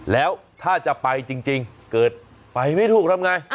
แล้วถ้าจะไปจริงเกิดไปไม่ถูกทำไง